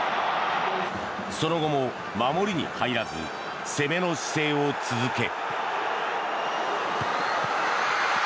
その後も守りに入らず攻めの姿勢を続け。